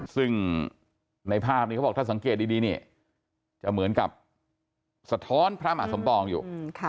ซึ่งในภาพนี้เขาบอกถ้าสังเกตดีนี่จะเหมือนกับสะท้อนพระมหาสมปองอยู่